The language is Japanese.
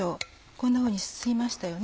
こんなふうに吸いましたよね。